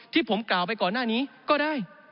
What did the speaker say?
ที่ผมกล่าวไปก่อนหน้านี้ก็ได้